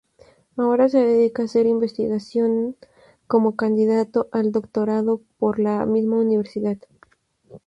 Ahora se dedica hacer investigación como candidato al doctorado por la misma Universidad.